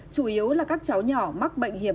chủ yếu là các cháu nhỏ mắc bệnh hiểm